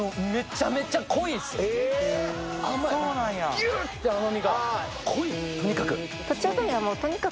ギュッて甘みが、濃い、とにかく。